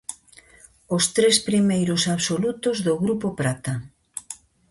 Os tres primeiros absolutos do grupo prata.